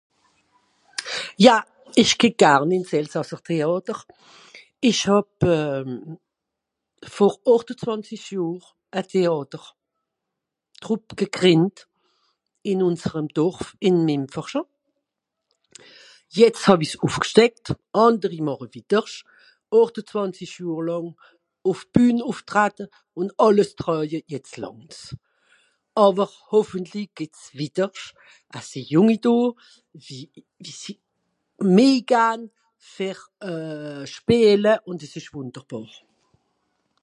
Ja, ìch geh garn ìn s elsassertéàter. Ìch hàb euh... vor àchtezwànzisch Johr e Téàtertrupp gegrìndt ìn ùnserem Dorf ìn Mìmfersche. Jetz hàw-i' s ùffgsteckt, ànderi màche's wìddersch. Àchtezwànzisch Johr làng ùff d'Bühn ùffftratte ùn àlles troeje jetz làngt's. Àwer hoffentli geht's wìddersch. Es sìì Jùnge do wie... wie si Méh gann fer euh... spìele ùn dìs ìsch wùnderbàr.